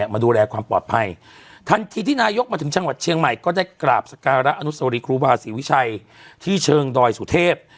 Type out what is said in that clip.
มาดูแลความปลอดภัยทันทีที่นายกมาถึงจังหวัดเชียงใหม่ก็ได้กราบสการะอนุสวรีครูบาศรีวิชัยที่เชิงดอยสุเทพ